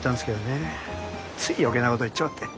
ねつい余計なこと言っちまって。